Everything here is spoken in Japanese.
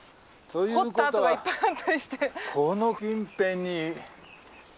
この近辺に。